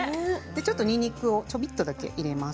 ちょっとにんにくをちょびっとだけ入れます。